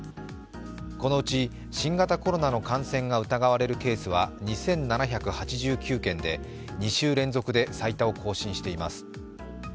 このうち新型コロナの感染が疑われるケースは２７８９件で２週連続で最多を更新しています。